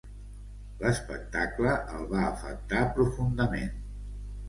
L'espectacle el va afectar profundament.